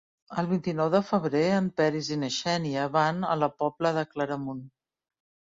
El vint-i-nou de febrer en Peris i na Xènia van a la Pobla de Claramunt.